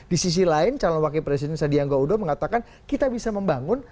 di sisi lain calon wakil presiden sadiangga udo mengatakan kita bisa membangun